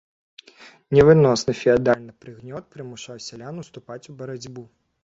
Невыносны феадальны прыгнёт прымушаў сялян ўступаць у барацьбу.